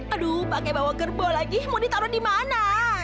aduh pakai bawa kerbau lagi mau ditaruh di mana